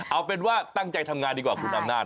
เอาเป็นว่าตั้งใจทำงานดีกว่าคุณอำนาจ